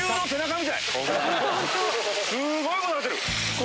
すごいことになってる！